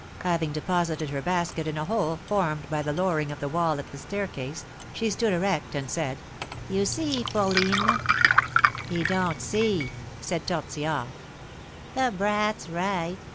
Having deposited her basket in a hole formed by the lowering of the wall of the staircase, she stood erect, and said: "You see, fourline " "He don't see," said Tortillard. "The brat's right.